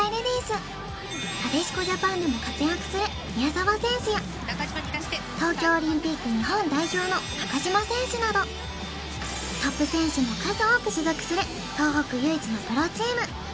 なでしこジャパンでも活躍する宮澤選手や東京オリンピック日本代表の中島選手などトップ選手も数多く所属する東北唯一のプロチーム